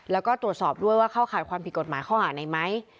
แล้วก็ตรวจสอบด้วยว่าเข้าข่ายความผิดกฎหมายข้อหาไหนไหม